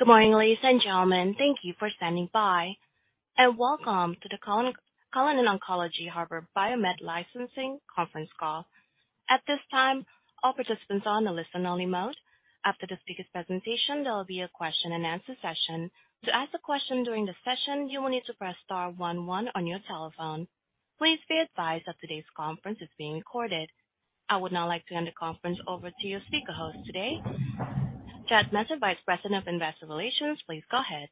Good morning, ladies and gentlemen. Thank you for standing by, and welcome to the Cullinan Oncology/Harbour BioMed Licensing conference call. At this time, all participants are on a listen only mode. After the speaker's presentation, there will be a question and answer session. To ask a question during the session, you will need to press star one one on your telephone. Please be advised that today's conference is being recorded. I would now like to hand the conference over to your speaker host today, Chad Messer, Vice President, Investor Relations. Please go ahead.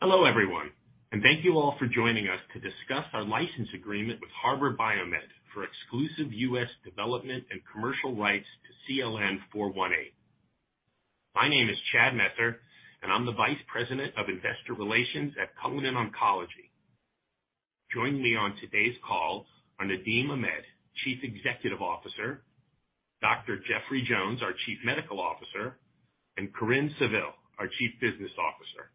Hello, everyone, and thank you all for joining us to discuss our license agreement with Harbour BioMed for exclusive U.S. development and commercial rights to CLN-418. My name is Chad Messer and I'm the Vice President, Investor Relations at Cullinan Oncology. Joining me on today's call are Nadim Ahmed, Chief Executive Officer; Dr. Jeffrey Jones, our Chief Medical Officer; and Corinne Savill, our Chief Business Officer.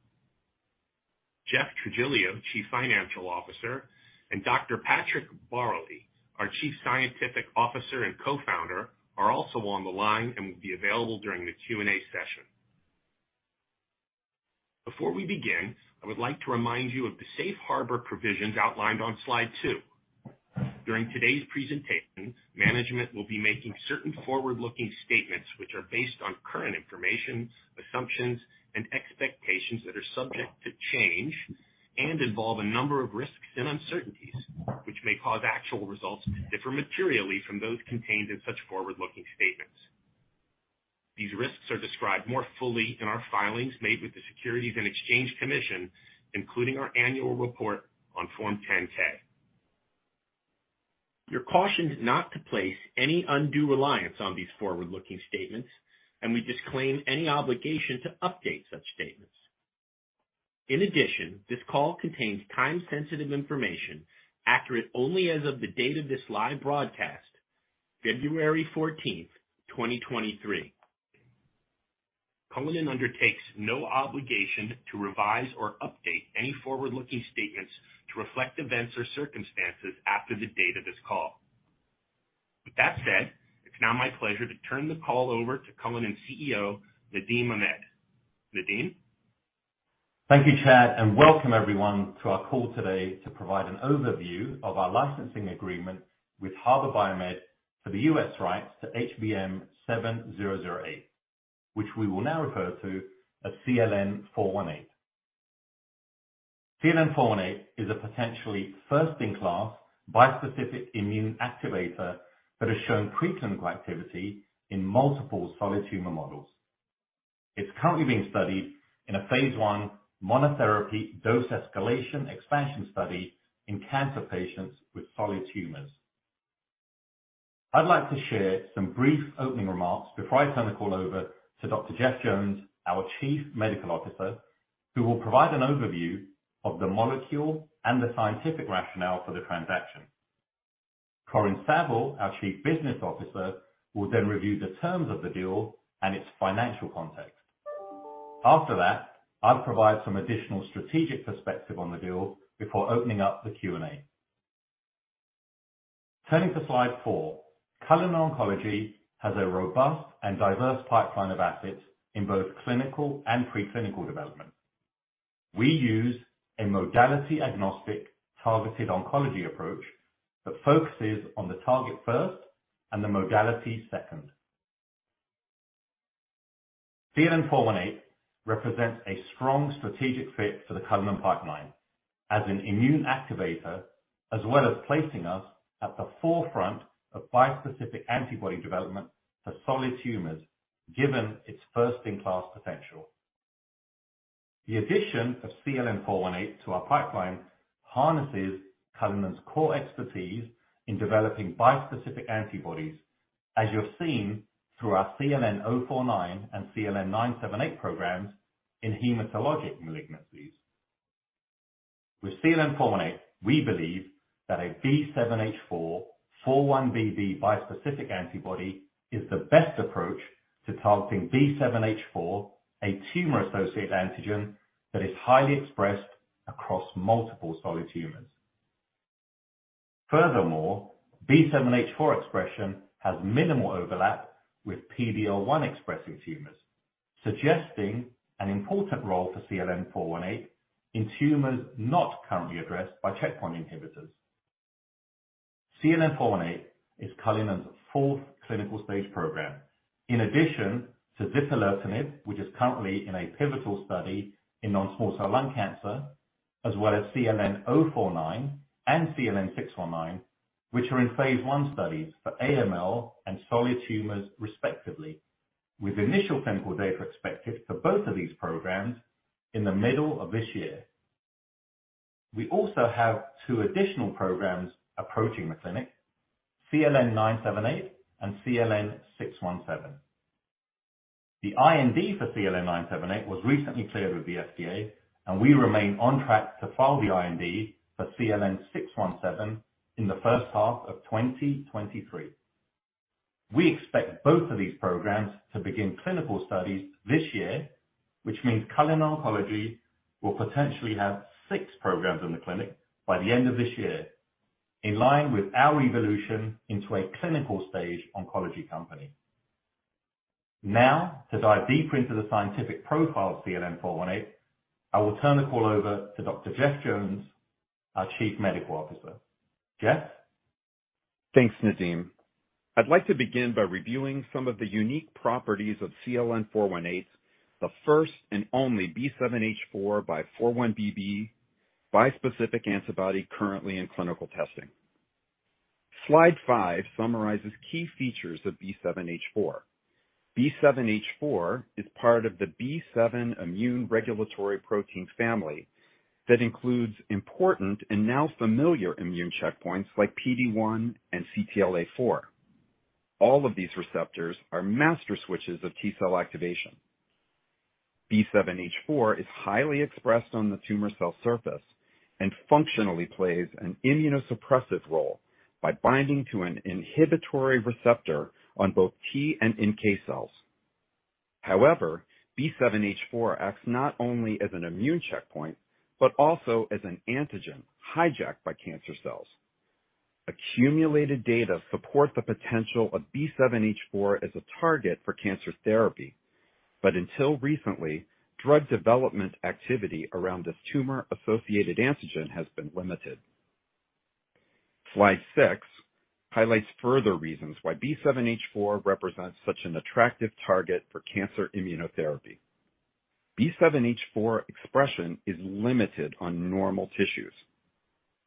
Jeff Trigilio, Chief Financial Officer, and Dr. Patrick Baeuerle, our Chief Scientific Officer and Co-Founder, are also on the line and will be available during the Q&A session. Before we begin, I would like to remind you of the Safe Harbor provisions outlined on slide two. During today's presentation, management will be making certain forward-looking statements which are based on current information, assumptions and expectations that are subject to change and involve a number of risks and uncertainties, which may cause actual results to differ materially from those contained in such forward-looking statements. These risks are described more fully in our filings made with the Securities and Exchange Commission, including our annual report on Form 10-K. You're cautioned not to place any undue reliance on these forward-looking statements. We disclaim any obligation to update such statements. In addition, this call contains time-sensitive information, accurate only as of the date of this live broadcast, February 14, 2023. Cullinan undertakes no obligation to revise or update any forward-looking statements to reflect events or circumstances after the date of this call. With that said, it's now my pleasure to turn the call over to Cullinan CEO, Nadim Ahmed. Nadim? Thank you, Chad. Welcome everyone to our call today to provide an overview of our licensing agreement with Harbour BioMed for the U.S. rights to HBM7008, which we will now refer to as CLN-418. CLN-418 is a potentially first-in-class bispecific immune activator that has shown preclinical activity in multiple solid tumor models. It's currently being studied in a phase 1 monotherapy dose escalation expansion study in cancer patients with solid tumors. I'd like to share some brief opening remarks before I turn the call over to Dr. Jeffrey Jones, our Chief Medical Officer, who will provide an overview of the molecule and the scientific rationale for the transaction. Corinne Savill, our Chief Business Officer, will review the terms of the deal and its financial context. After that, I'll provide some additional strategic perspective on the deal before opening up the Q&A. Turning to slide four. Cullinan Oncology has a robust and diverse pipeline of assets in both clinical and pre-clinical development. We use a modality-agnostic targeted oncology approach that focuses on the target first and the modality second. CLN-418 represents a strong strategic fit for the Cullinan pipeline as an immune activator, as well as placing us at the forefront of bispecific antibody development for solid tumors, given its first-in-class potential. The addition of CLN-418 to our pipeline harnesses Cullinan's core expertise in developing bispecific antibodies, as you've seen through our CLN-049 and CLN-978 programs in hematologic malignancies. With CLN-418, we believe that a B7H4, 4-1BB bispecific antibody is the best approach to targeting B7H4, a tumor-associated antigen that is highly expressed across multiple solid tumors. Furthermore, B7H4 expression has minimal overlap with PD-L1-expressing tumors, suggesting an important role for CLN-418 in tumors not currently addressed by checkpoint inhibitors. CLN-418 is Cullinan's fourth clinical-stage program. Zipalertinib, which is currently in a pivotal study in non-small cell lung cancer, as well as CLN-049 and CLN-619, which are in phase 1 studies for AML and solid tumors respectively, with initial clinical data expected for both of these programs in the middle of this year. We also have two additional programs approaching the clinic, CLN-978 and CLN-617. The IND for CLN-978 was recently cleared with the FDA. We remain on track to file the IND for CLN-617 in the first half of 2023. We expect both of these programs to begin clinical studies this year, which means Cullinan Oncology will potentially have six programs in the clinic by the end of this year. In line with our evolution into a clinical stage oncology company. Now, to dive deeper into the scientific profile of CLN-418, I will turn the call over to Dr. Jeff Jones, our Chief Medical Officer. Jeff? Thanks, Nadim. I'd like to begin by reviewing some of the unique properties of CLN-418, the first and only B7H4 x 4-1BB bispecific antibody currently in clinical testing. Slide five summarizes key features of B7H4. B7H4 is part of the B7 immune regulatory protein family that includes important and now familiar immune checkpoints like PD-1 and CTLA-4. All of these receptors are master switches of T cell activation. B7H4 is highly expressed on the tumor cell surface and functionally plays an immunosuppressive role by binding to an inhibitory receptor on both T and NK cells. However, B7H4 acts not only as an immune checkpoint, but also as an antigen hijacked by cancer cells. Accumulated data support the potential of B7H4 as a target for cancer therapy. Until recently, drug development activity around this tumor-associated antigen has been limited. Slide six highlights further reasons why B7H4 represents such an attractive target for cancer immunotherapy. B7H4 expression is limited on normal tissues.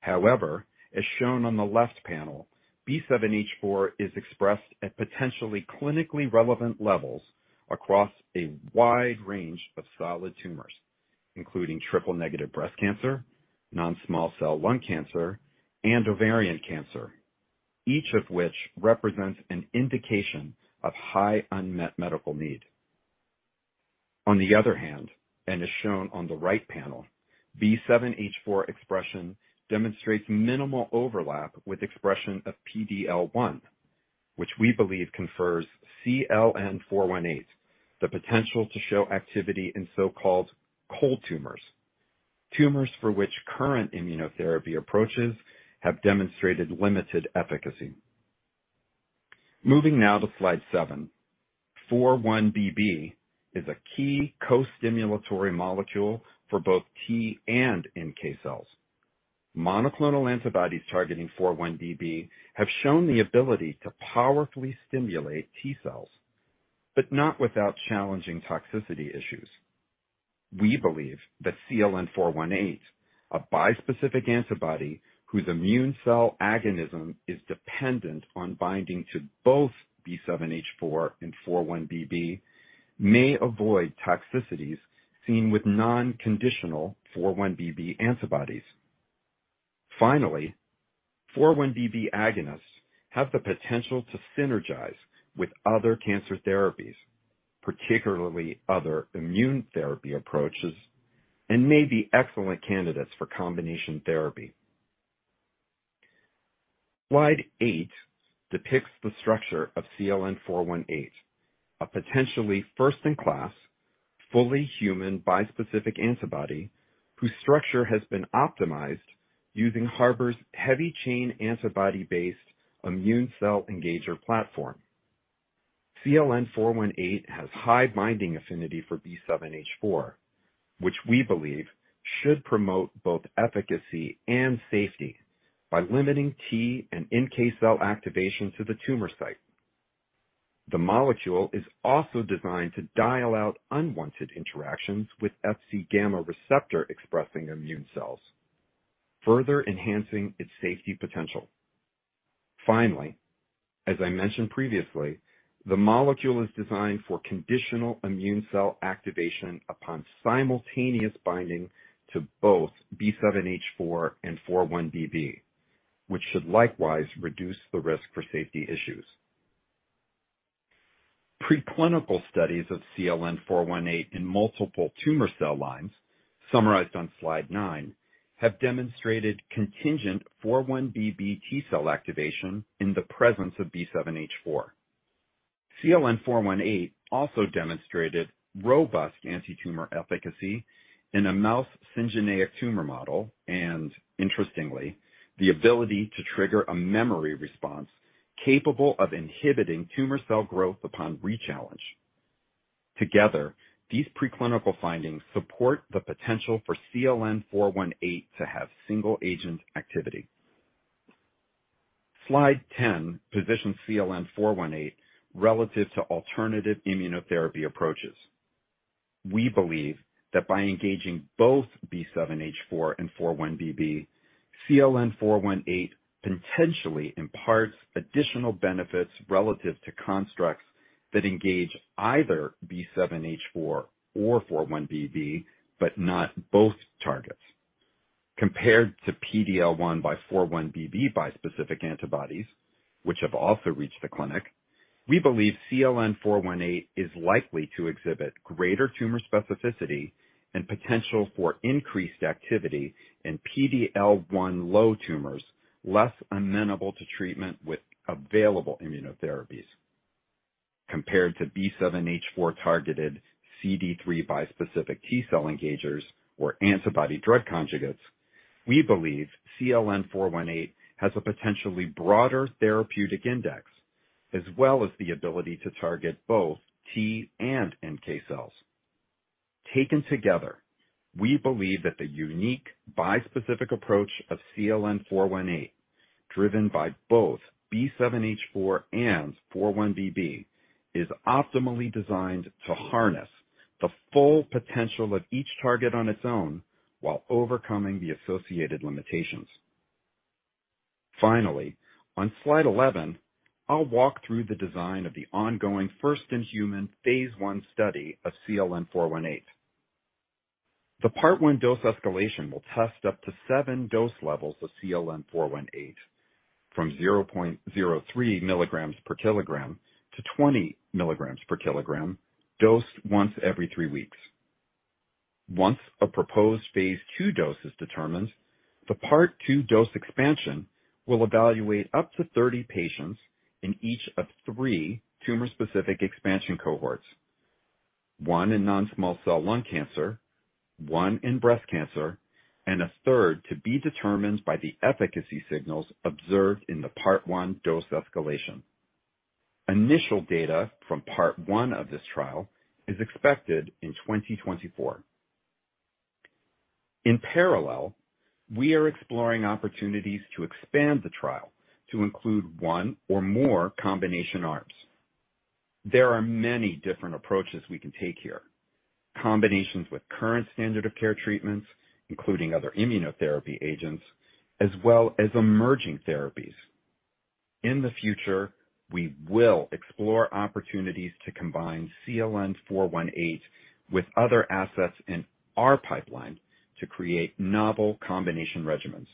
However, as shown on the left panel, B7H4 is expressed at potentially clinically relevant levels across a wide range of solid tumors, including triple-negative breast cancer, non-small cell lung cancer, and ovarian cancer, each of which represents an indication of high unmet medical need. On the other hand, as shown on the right panel, B7H4 expression demonstrates minimal overlap with expression of PD-L1, which we believe confers CLN-418 the potential to show activity in so-called cold tumors for which current immunotherapy approaches have demonstrated limited efficacy. Moving now to slide seven. 4-1BB is a key co-stimulatory molecule for both T and NK cells. Monoclonal antibodies targeting 4-1BB have shown the ability to powerfully stimulate T cells, but not without challenging toxicity issues. We believe that CLN-418, a bispecific antibody whose immune cell agonism is dependent on binding to both B7H4 and 4-1BB, may avoid toxicities seen with non-conditional 4-1BB antibodies. Finally, 4-1BB agonists have the potential to synergize with other cancer therapies, particularly other immune therapy approaches, and may be excellent candidates for combination therapy. Slide eight depicts the structure of CLN-418, a potentially first-in-class, fully human bispecific antibody whose structure has been optimized using Harbour's heavy chain antibody-based immune cell engager platform. CLN-418 has high binding affinity for B7H4, which we believe should promote both efficacy and safety by limiting T and NK cell activation to the tumor site. The molecule is also designed to dial out unwanted interactions with Fc gamma receptor expressing immune cells, further enhancing its safety potential. Finally, as I mentioned previously, the molecule is designed for conditional immune cell activation upon simultaneous binding to both B7H4 and 4-1BB, which should likewise reduce the risk for safety issues. Preclinical studies of CLN-418 in multiple tumor cell lines, summarized on slide nine, have demonstrated contingent 4-1BB T cell activation in the presence of B7H4. CLN-418 also demonstrated robust antitumor efficacy in a mouse syngeneic tumor model, and interestingly, the ability to trigger a memory response capable of inhibiting tumor cell growth upon re-challenge. Together, these preclinical findings support the potential for CLN-418 to have single agent activity. Slide 10 positions CLN-418 relative to alternative immunotherapy approaches. We believe that by engaging both B7H4 and 4-1BB, CLN-418 potentially imparts additional benefits relative to constructs that engage either B7H4 or 4-1BB, but not both targets. Compared to PD-L1 by 4-1BB bispecific antibodies, which have also reached the clinic, we believe CLN-418 is likely to exhibit greater tumor specificity and potential for increased activity in PD-L1 low tumors less amenable to treatment with available immunotherapies. Compared to B7H4 targeted CD3 bispecific T cell engagers or antibody-drug conjugates, we believe CLN-418 has a potentially broader therapeutic index, as well as the ability to target both T and NK cells. Taken together, we believe that the unique bispecific approach of CLN-418, driven by both B7H4 and 4-1BB, is optimally designed to harness the full potential of each target on its own, while overcoming the associated limitations. Finally, on slide 11, I'll walk through the design of the ongoing first-in-human phase 1 study of CLN-418. The part 1 dose escalation will test up to seven dose levels of CLN-418 from 0.03 milligrams per kilogram to 20 milligrams per kilogram, dosed once every three weeks. Once a proposed phase 2 dose is determined, the part two dose expansion will evaluate up to 30 patients in each of three tumor-specific expansion cohorts. One in non-small cell lung cancer, one in breast cancer, and a third to be determined by the efficacy signals observed in the part one dose escalation. Initial data from part one of this trial is expected in 2024. In parallel, we are exploring opportunities to expand the trial to include one or more combination arms. There are many different approaches we can take here. Combinations with current standard of care treatments, including other immunotherapy agents, as well as emerging therapies. In the future, we will explore opportunities to combine CLN-418 with other assets in our pipeline to create novel combination regimens.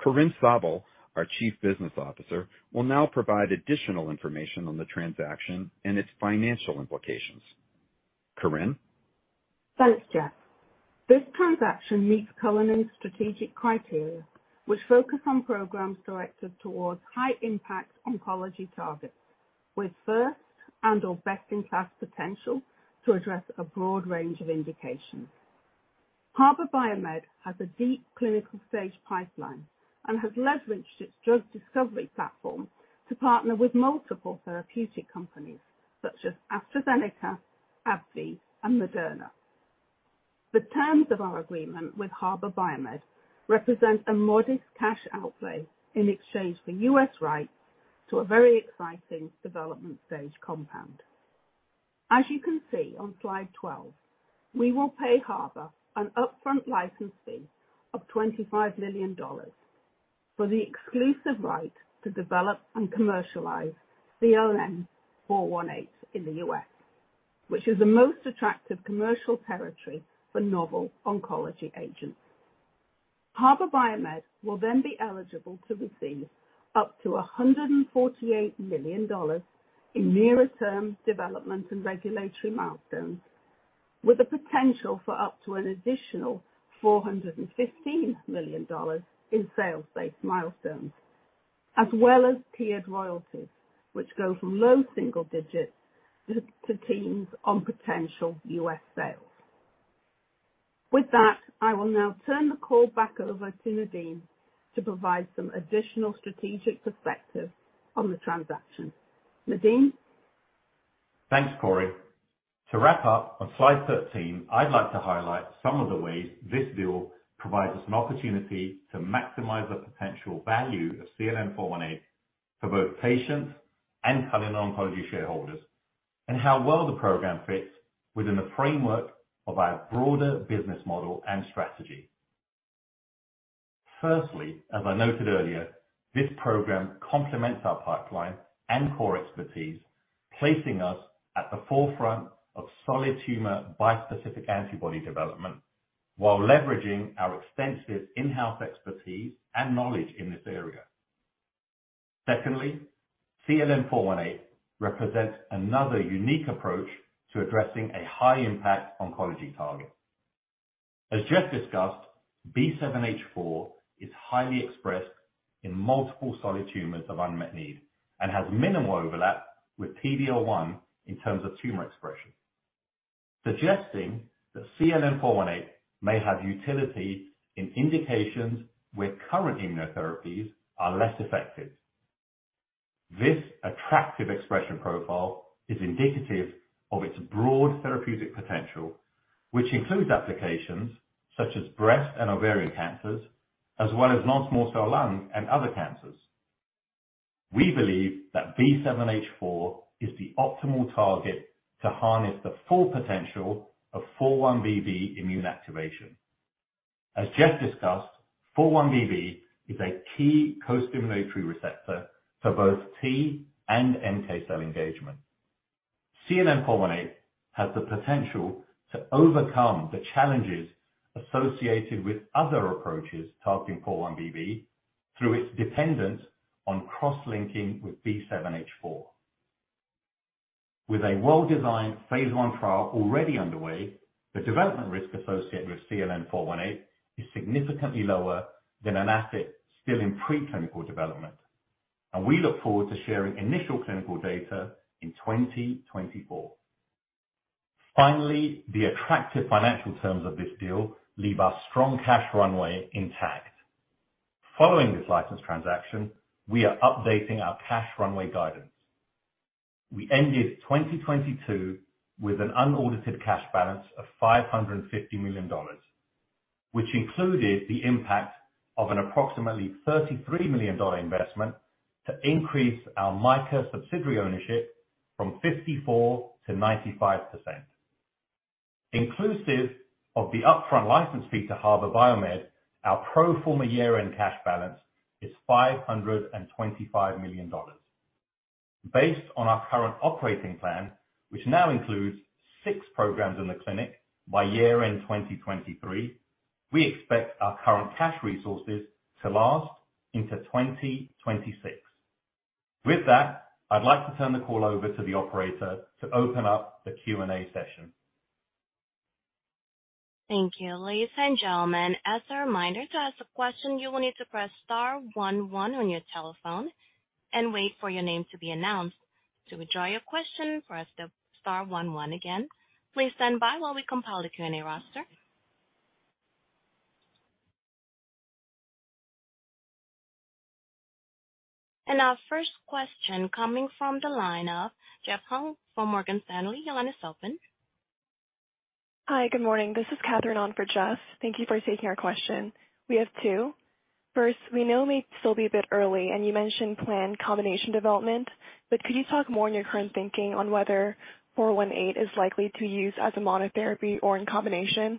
Corinne Savill, our Chief Business Officer, will now provide additional information on the transaction and its financial implications. Corinne? Thanks, Jeff. This transaction meets Cullinan's strategic criteria, which focus on programs directed towards high-impact oncology targets with first and or best-in-class potential to address a broad range of indications. Harbour BioMed has a deep clinical-stage pipeline and has leveraged its drug discovery platform to partner with multiple therapeutic companies such as AstraZeneca, AbbVie, and Moderna. The terms of our agreement with Harbour BioMed represent a modest cash outlay in exchange for U.S. rights to a very exciting development stage compound. As you can see on slide 12, we will pay Harbour an upfront license fee of $25 million for the exclusive right to develop and commercialize CLN-418 in the U.S., which is the most attractive commercial territory for novel oncology agents. Harbour BioMed will then be eligible to receive up to $148 million in nearer term development and regulatory milestones, with a potential for up to an additional $415 million in sales-based milestones, as well as tiered royalties, which go from low single digits to teens on potential U.S. sales. With that, I will now turn the call back over to Nadim to provide some additional strategic perspective on the transaction. Nadim? Thanks, Corinne. To wrap up, on slide 13, I'd like to highlight some of the ways this deal provides us an opportunity to maximize the potential value of CLN-418 for both patients and Cullinan Oncology shareholders, and how well the program fits within the framework of our broader business model and strategy. Firstly, as I noted earlier, this program complements our pipeline and core expertise, placing us at the forefront of solid tumor bispecific antibody development while leveraging our extensive in-house expertise and knowledge in this area. Secondly, CLN-418 represents another unique approach to addressing a high-impact oncology target. As Jeff discussed, B7H4 is highly expressed in multiple solid tumors of unmet need and has minimal overlap with PD-L1 in terms of tumor expression, suggesting that CLN-418 may have utility in indications where current immunotherapies are less effective. This attractive expression profile is indicative of its broad therapeutic potential, which includes applications such as breast and ovarian cancers, as well as non-small cell lung and other cancers. We believe that B7H4 is the optimal target to harness the full potential of 4-1BB immune activation. As Jeff discussed, 4-1BB is a key costimulatory receptor for both T and NK cell engagement. CLN-418 has the potential to overcome the challenges associated with other approaches targeting 4-1BB through its dependence on cross-linking with B7H4. With a well-designed phase 1 trial already underway, the development risk associated with CLN-418 is significantly lower than an asset still in preclinical development. We look forward to sharing initial clinical data in 2024. Finally, the attractive financial terms of this deal leave our strong cash runway intact. Following this license transaction, we are updating our cash runway guidance. We ended 2022 with an unaudited cash balance of $550 million, which included the impact of an approximately $33 million investment to increase our MICA subsidiary ownership from 54% to 95%. Inclusive of the upfront license fee to Harbour BioMed, our pro forma year-end cash balance is $525 million. Based on our current operating plan, which now includes six programs in the clinic by year-end 2023, we expect our current cash resources to last into 2026. With that, I'd like to turn the call over to the operator to open up the Q&A session. Thank you. Ladies and gentlemen, as a reminder, to ask a question, you will need to press star one one on your telephone and wait for your name to be announced. To withdraw your question, press star one one again. Please stand by while we compile the Q&A roster. Our first question coming from the line of Jeff Hung from Morgan Stanley. Your line is open. Hi. Good morning. This is Catherine on for Jeff. Thank you for taking our question. We have two. First, we know it may still be a bit early, you mentioned planned combination development, but could you talk more on your current thinking on whether 418 is likely to use as a monotherapy or in combination,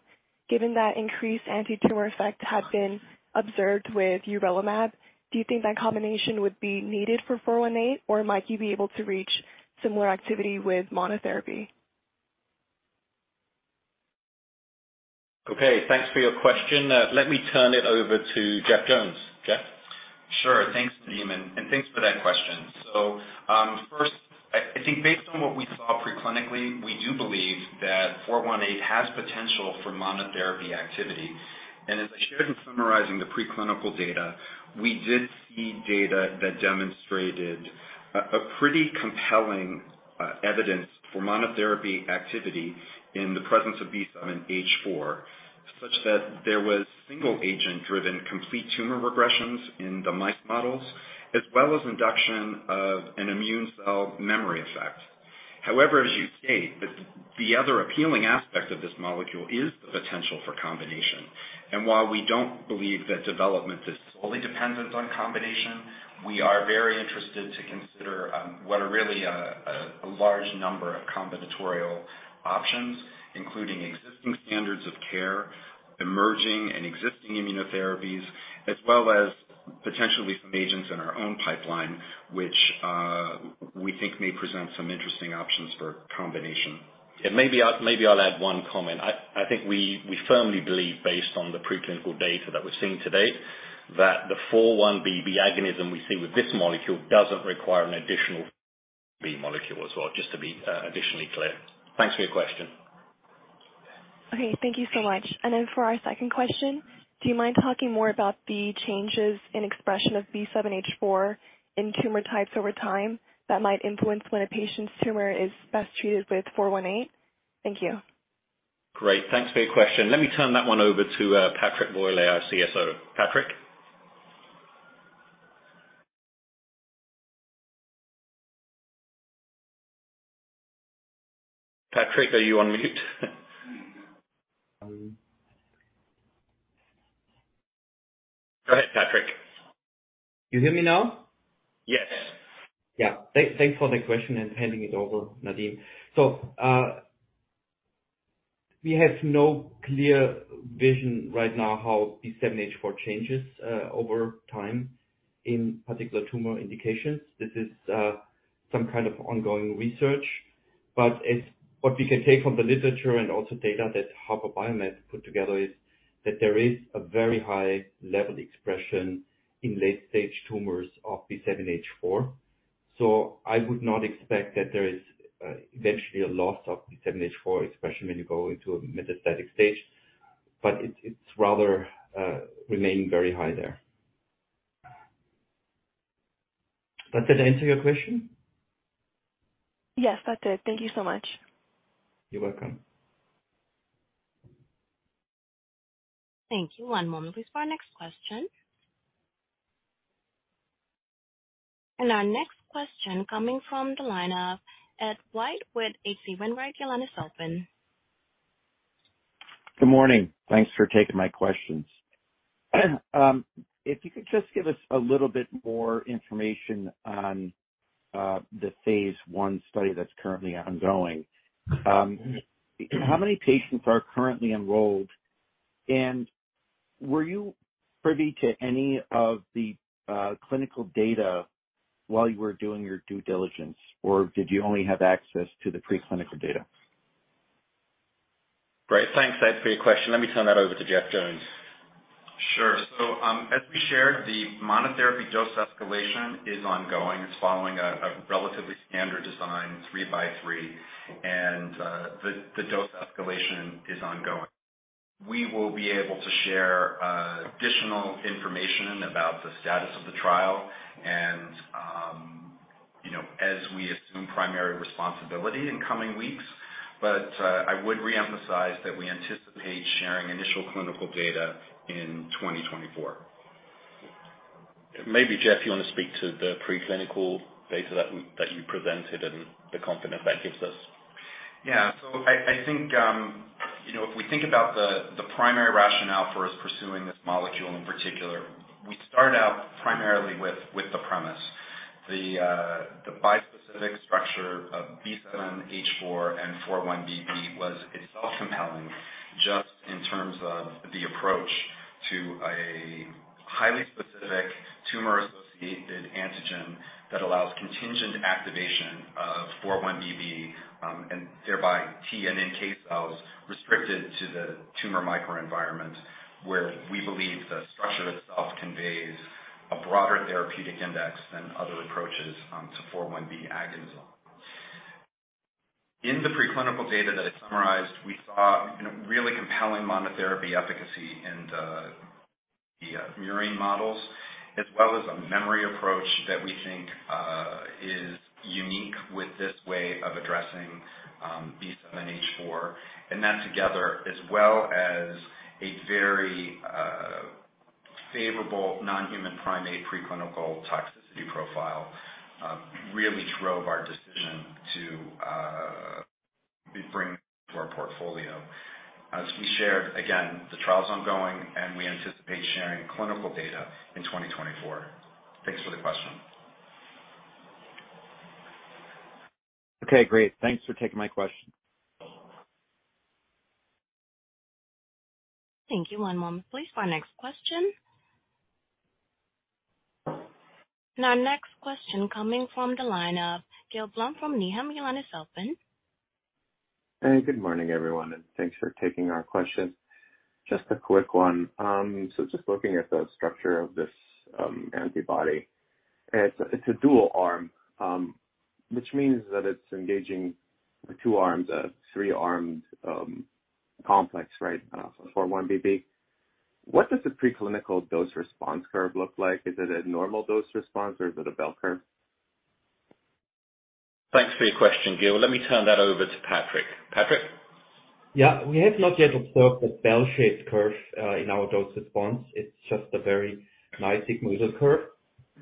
given that increased antitumor effect had been observed with Urelumab? Do you think that combination would be needed for 418, or might you be able to reach similar activity with monotherapy? Okay. Thanks for your question. Let me turn it over to Jeff Jones. Jeff? Sure. Thanks, Nadim, and thanks for that question. First, I think based on what we saw preclinically, we do believe that CLN-418 has potential for monotherapy activity. As I shared in summarizing the preclinical data, we did see data that demonstrated a pretty compelling evidence for monotherapy activity in the presence of B7H4, such that there was single-agent driven complete tumor regressions in the mice models, as well as induction of an immune cell memory effect. As you state, the other appealing aspect of this molecule is the potential for combination. While we don't believe that development is solely dependent on combination, we are very interested to consider, what are really a large number of combinatorial options, including existing standards of care, emerging and existing immunotherapies, as well as potentially some agents in our own pipeline, which we think may present some interesting options for combination. Maybe I'll add one comment. I think we firmly believe based on the preclinical data that we're seeing to date, that the 4-1BB agonism we see with this molecule doesn't require an additional B molecule as well, just to be additionally clear. Thanks for your question. Okay. Thank you so much. For our second question, do you mind talking more about the changes in expression of B7H4 in tumor types over time that might influence when a patient's tumor is best treated with 418? Thank you. Great. Thanks for your question. Let me turn that one over to Patrick Baeuerle, our CSO. Patrick? Patrick, are you on mute? Go ahead, Patrick. You hear me now? Yes. Yeah. Thanks for the question and handing it over, Nadim. We have no clear vision right now how B7H4 changes over time in particular tumor indications. This is some kind of ongoing research. As what we can take from the literature and also data that Harbour BioMed put together is that there is a very high level expression in late-stage tumors of B7H4. I would not expect that there is eventually a loss of B7H4 expression when you go into metastatic stage, but it's rather remain very high there. Did I answer your question? Yes, that's it. Thank you so much. You're welcome. Thank you. One moment, please, for our next question. Our next question coming from the line of Ed White with H.C. Wainwright. Your line is open. Good morning. Thanks for taking my questions. If you could just give us a little bit more information on the phase 1 study that's currently ongoing. How many patients are currently enrolled? Were you privy to any of the clinical data while you were doing your due diligence, or did you only have access to the preclinical data? Great. Thanks, Ed, for your question. Let me turn that over to Jeff Jones. Sure. As we shared, the monotherapy dose escalation is ongoing. It is following a relatively standard design, three by three. The dose escalation is ongoing. We will be able to share additional information about the status of the trial and, you know, as we assume primary responsibility in coming weeks. I would reemphasize that we anticipate sharing initial clinical data in 2024. Maybe, Jeff, you wanna speak to the preclinical data that you presented and the confidence that gives us. Yeah. I think, you know, if we think about the primary rationale for us pursuing this molecule in particular, we start out primarily with the premise, the bispecific structure of B7H4 and 4-1BB was itself compelling just in terms of the approach to a highly specific tumor-associated antigen that allows contingent activation of 4-1BB. And thereby T and NK cells restricted to the tumor microenvironment, where we believe the structure itself conveys a broader therapeutic index than other approaches, to 4-1BB agonism. In the preclinical data that I summarized, we saw, you know, really compelling monotherapy efficacy in the murine models, as well as a memory approach that we think, is unique with this way of addressing, B7H4. That together, as well as a very favorable non-human primate preclinical toxicity profile, really drove our decision to be bringing to our portfolio. As we shared, again, the trial's ongoing, and we anticipate sharing clinical data in 2024. Thanks for the question. Okay, great. Thanks for taking my question. Thank you. One moment please for our next question. Our next question coming from the line of Gil Blum from Needham & Company. Hey, good morning, everyone, thanks for taking our questions. Just a quick one. Just looking at the structure of this antibody. It's a dual-arm, which means that it's engaging two arms, a three-armed, complex, right, 4-1BB. What does the preclinical dose response curve look like? Is it a normal dose response or is it a bell curve? Thanks for your question, Gil. Let me turn that over to Patrick. Patrick? Yeah. We have not yet observed a bell-shaped curve in our dose response. It's just a very nice sigmoidal curve.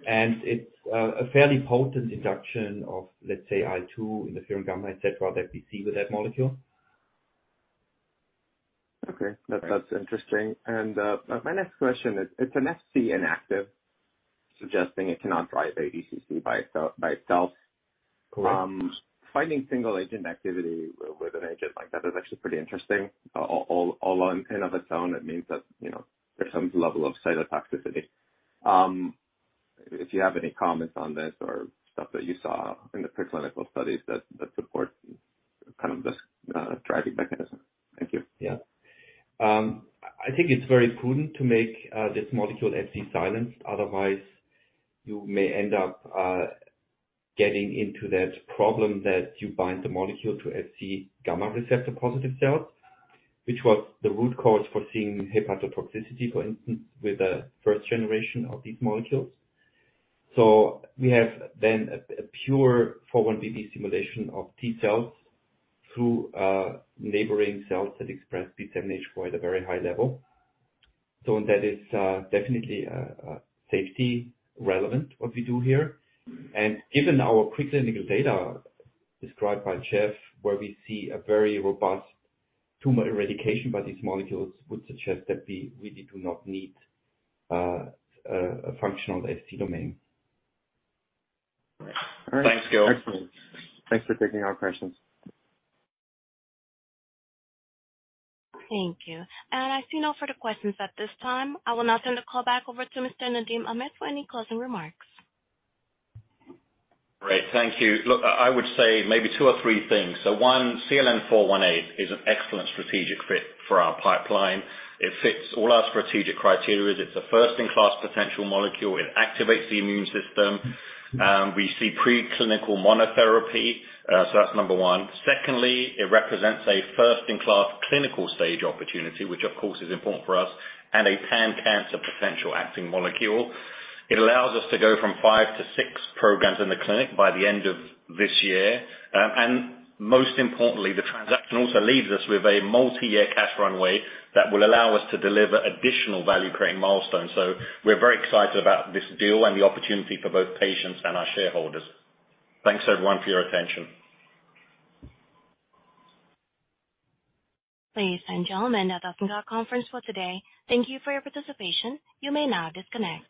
It's a fairly potent induction of, let's say, IL-2, interferon gamma, et cetera, that we see with that molecule. Okay. That's interesting. My next question is, it's an Fc inactive, suggesting it cannot drive ADCC by itself. Correct. Finding single agent activity with an agent like that is actually pretty interesting. All on in of its own, it means that, you know, there's some level of cytotoxicity. If you have any comments on this or stuff that you saw in the preclinical studies that support kind of this, driving mechanism? Thank you. Yeah. I think it's very prudent to make this molecule Fc silenced. Otherwise, you may end up getting into that problem that you bind the molecule to Fc gamma receptor positive cells, which was the root cause for seeing hepatotoxicity, for instance, with the first generation of these molecules. We have then a pure 4-1BB stimulation of T cells through neighboring cells that express B7H4 at a very high level. That is definitely safety relevant what we do here. Given our preclinical data described by Jeff, where we see a very robust tumor eradication by these molecules would suggest that we really do not need a functional Fc domain. All right. Thanks, Gil. Excellent. Thanks for taking our questions. Thank you. I see no further questions at this time. I will now turn the call back over to Mr. Nadim Ahmed for any closing remarks. Great. Thank you. Look, I would say maybe two or three things. One, CLN-418 is an excellent strategic fit for our pipeline. It fits all our strategic criteria. It's a first in class potential molecule. It activates the immune system. We see preclinical monotherapy. That's number one. Secondly, it represents a first in class clinical stage opportunity, which of course is important for us and a pan-cancer potential acting molecule. It allows us to go from five to six programs in the clinic by the end of this year. Most importantly, the transaction also leaves us with a multi-year cash runway that will allow us to deliver additional value-creating milestones. We're very excited about this deal and the opportunity for both patients and our shareholders. Thanks everyone for your attention. Ladies and gentlemen, that concludes our conference for today. Thank you for your participation. You may now disconnect.